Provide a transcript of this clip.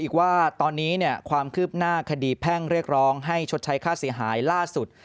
อีกว่าตอนนี้ความคืบหน้าคดีแพ่งเรียกร้องให้ชดใช้ค่าเสียหายล่าสุด